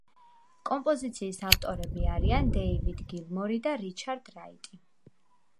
კომპოზიციის ავტორები არიან დეივიდ გილმორი და რიჩარდ რაიტი.